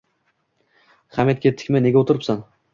Hamid, ketdikmi, nega o‘tiribsan